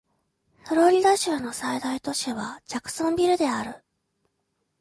フロリダ州の最大都市はジャクソンビルである